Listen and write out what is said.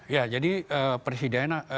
ya jadi presiden